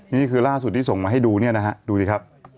นี่คือล่าสุดที่ส่งมาให้ดูเนี่ยนะฮะดูสิครับ